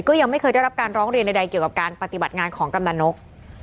ก็ยังไม่เคยได้รับการร้องเรียนใดเกี่ยวกับการปฏิบัติงานของกำนันนก